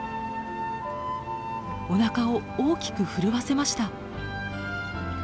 おなかを大きく震わせました。